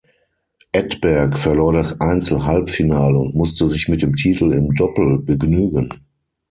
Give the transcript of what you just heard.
Edberg verlor das Einzel-Halbfinale und musste sich mit dem Titel im Doppel begnügen.